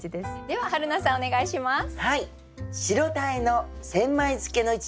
でははるなさんお願いします。